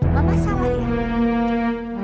mama salah ya